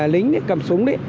lính cầm súng